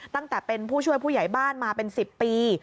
ตั้งแต่เป็นผู้ช่วยผู้ใหญ่บ้านมาเป็น๑๐ปี